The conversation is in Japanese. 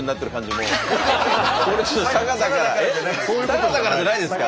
佐賀だからじゃないですか？